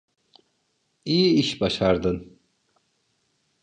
İyi iş başardın.